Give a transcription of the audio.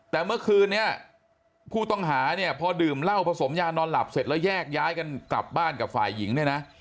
แต่เมื่อคืนนี้ผู้ต้องหาเนี่ยพอดื่มเหล้าผสมยานอนหลับเสร็จแล้วแยกย้ายกันกลับบ้านกับฝ่ายหญิงเนี่ยนะ